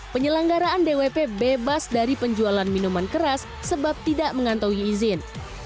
penyelenggaraan dwp bebas dari penjualan minuman keras sebab tidak mengantongi izin